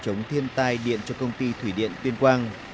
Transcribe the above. chống thiên tai điện cho công ty thủy điện tuyên quang